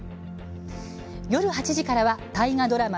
夜８時からは大河ドラマ